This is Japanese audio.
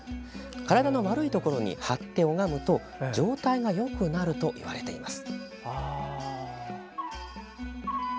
体の悪いところに貼って拝むと状態がよくなるといわれています。